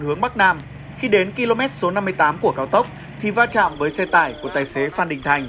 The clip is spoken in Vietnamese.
hướng bắc nam khi đến km số năm mươi tám của cao tốc thì va chạm với xe tải của tài xế phan đình thành